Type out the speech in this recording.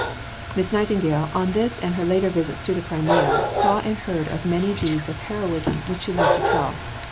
Miss Nightingale, on this and her later visits to the Crimea, saw and heard of many deeds of heroism which she loved to tell.